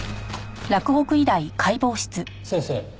先生